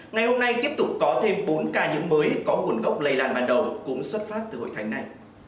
ngày hôm nay tiếp tục có thêm bốn ca nhiễm mới có nguồn gốc lây lan ban đầu cũng xuất phát từ hội thánh này